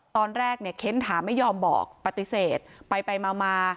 ตอนแรกเนี่ยเค้นถามไม่ยอมบอกปฏิเสธไปไปมา